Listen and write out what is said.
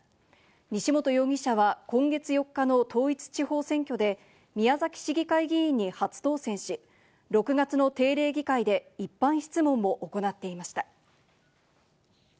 西本容疑者は今月４日の統一地方選挙で宮崎市議会議員に初当選し、６月の定例議会で一般質問を行っていました。